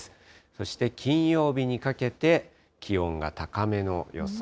そして金曜日にかけて、気温が高めの予想。